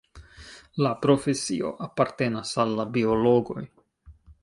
La profesio apartenas al la biologoj.